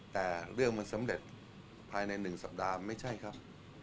แต่เรื่องมันสำเร็จภายใน๑สัปดาห์ไม่ใช่ครับ